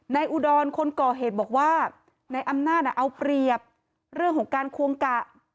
อุดรคนก่อเหตุบอกว่าในอำนาจเอาเปรียบเรื่องของการควงกะ